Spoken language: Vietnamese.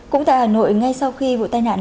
cũng tại hà nội ngay sau khi vụ tai nạn